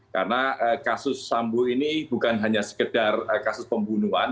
karena kasus sambo ini bukan hanya sekedar kasus pembunuhan